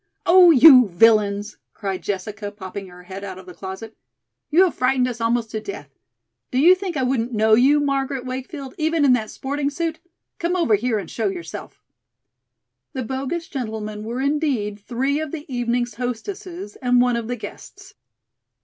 "Oh, you villains!" cried Jessica, popping her head out of the closet. "You have frightened us almost to death. Do you think I wouldn't know you, Margaret Wakefield, even in that sporting suit. Come over here and show yourself!" The bogus gentlemen were indeed three of the evening's hostesses and one of the guests.